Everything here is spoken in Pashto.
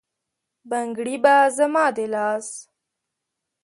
بنګړي به زما د لاس،